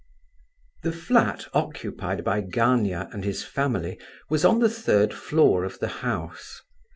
The flat occupied by Gania and his family was on the third floor of the house.